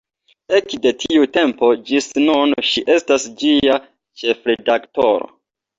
Ekde tiu tempo ĝis nun ŝi estas ĝia ĉefredaktoro.